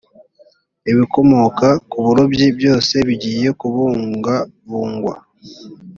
ibikomoka ku burobyi byose bigeye kubungabungwa